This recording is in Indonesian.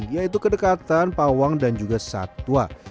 yaitu kedekatan pawang dan juga satwa